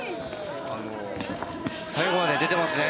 最後まで出てますね